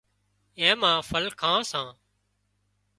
امين ڦل کان سان